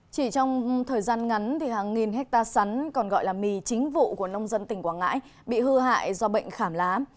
chỉ trong thời gian ngắn thì hàng nghìn hectare sắn còn gọi là mì chính vụ của nông dân tỉnh quảng ngãi bị hư hại do bệnh khảm lá